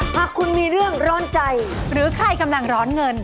หากคุณมีเรื่องร้อนใจหรือใครกำลังร้อนเงิน